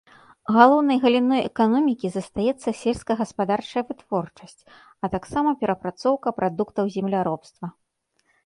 Галоўнай галіной эканомікі застаецца сельскагаспадарчая вытворчасць, а таксама перапрацоўка прадуктаў земляробства.